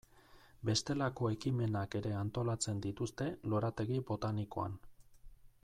Bestelako ekimenak ere antolatzen dituzte lorategi botanikoan.